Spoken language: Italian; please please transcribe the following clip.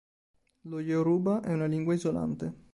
Lo Yoruba è una lingua isolante.